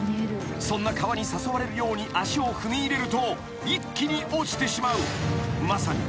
［そんな川に誘われるように足を踏み入れると一気に落ちてしまうまさに］